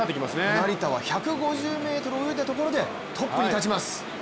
成田は１５０ｍ泳いだところでトップに立ちます。